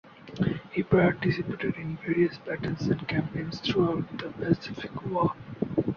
He participated in various battles and campaigns throughout the Pacific War.